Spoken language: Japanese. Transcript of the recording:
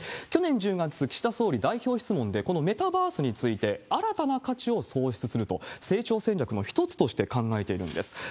去年１０月、岸田総理、代表質問で、このメタバースについて、新たな価値を創出すると、成長戦略の一つとして考えているんです。